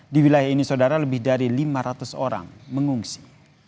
di wilayah ini saudara lebih dari lima ratus orang mengungsi